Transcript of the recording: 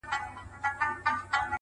که مي د دې وطن له کاڼي هم کالي څنډلي،